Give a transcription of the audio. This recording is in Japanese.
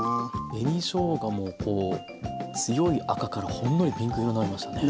紅しょうがもこう強い赤からほんのりピンク色になりましたね。